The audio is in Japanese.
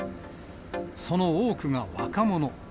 その多くが若者。